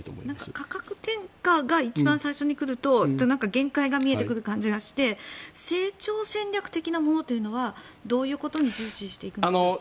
価格転嫁が一番最初に来ると限界が見えてくる感じがして成長戦略的なものというのはどういうことを重視しているんでしょうか？